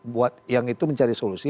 buat yang itu mencari solusi